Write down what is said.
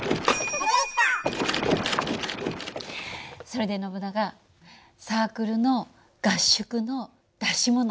それでノブナガサークルの合宿の出し物